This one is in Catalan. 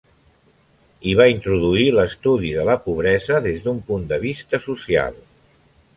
I va introduir l'estudi de la pobresa des d'un punt de vista social.